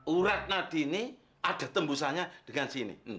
urat nadi ini ada tembusannya dengan sini